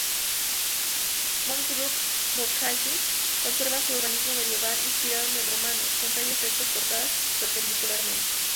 Montbrun-Bocage conserva su urbanismo medieval, inspirado en el romano, con calles rectas cortadas perpendicularmente.